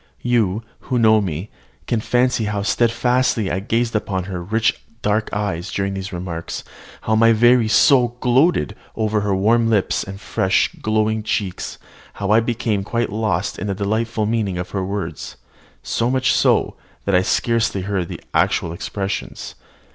You, who know me, can fancy how steadfastly I gazed upon her rich dark eyes during these remarks, how my very soul gloated over her warm lips and fresh, glowing cheeks, how I became quite lost in the delightful meaning of her words, so much so, that I scarcely heard the actual expressions.